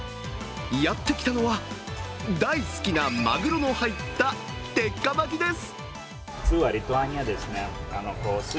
やってきたのは、大好きなマグロの入った鉄火巻きです。